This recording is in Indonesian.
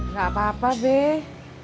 gak apa apa beh